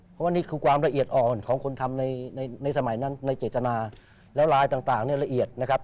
เพราะว่านี่คือความละเอียดอ่อนของคนทำในในสมัยนั้นในเจตนาแล้วลายต่างเนี่ยละเอียดนะครับ